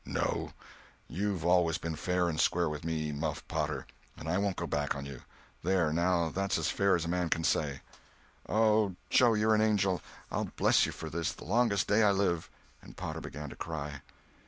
"No, you've always been fair and square with me, Muff Potter, and I won't go back on you. There, now, that's as fair as a man can say." "Oh, Joe, you're an angel. I'll bless you for this the longest day I live." And Potter began to cry.